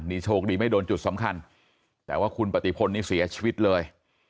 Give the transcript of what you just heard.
นี่โชคดีไม่โดนจุดสำคัญแต่ว่าคุณปฏิพลนี่เสียชีวิตเลย